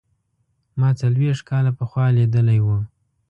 ما څلوېښت کاله پخوا لیدلی و.